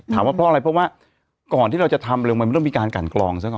ว่าเพราะอะไรเพราะว่าก่อนที่เราจะทำลงไปมันต้องมีการกันกรองซะก่อน